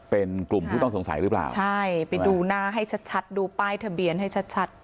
เป็นกลุ่มผู้ต้องสงสัยหรือเปล่าใช่ไปดูหน้าให้ชัดชัดดูป้ายทะเบียนให้ชัดชัด